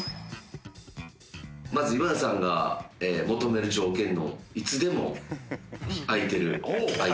まず今田さんが求める条件のいつでも空いてる。